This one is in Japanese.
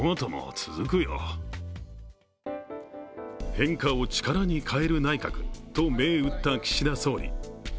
変化を力に変える内閣と銘打った岸田総理。